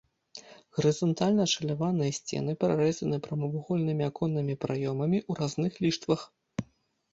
Гарызантальна ашаляваныя сцены прарэзаны прамавугольнымі аконнымі праёмамі ў разных ліштвах.